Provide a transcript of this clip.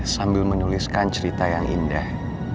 sambil menuliskan cerita yang indah